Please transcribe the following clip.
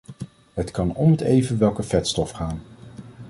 Het kan om om het even welke vetstof gaan.